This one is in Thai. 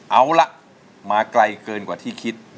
เอาล่ะมาไกลเกินกว่าที่คิด